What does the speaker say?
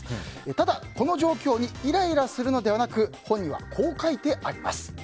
ただこの状況にイライラするのではなく本にはこう書いてあります。